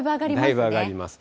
だいぶ上がります。